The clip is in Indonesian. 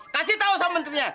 kasih tau sama menternya